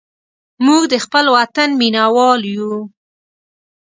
موږ د خپل وطن مینهوال یو.